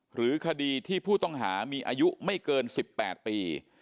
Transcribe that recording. หรือคดีที่ผู้ต้องหามีอายุไม่เกิน๑๘ปี